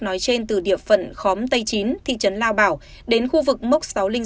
nói trên từ địa phận khóm tây chín thị trấn lao bảo đến khu vực mốc sáu trăm linh sáu